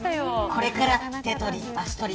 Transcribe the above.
これから手とり足とり